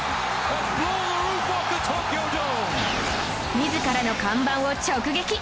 自らの看板を直撃